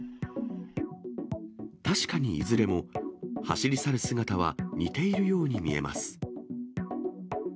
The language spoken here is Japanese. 確かにいずれも、走り去る姿は似ているように見えます。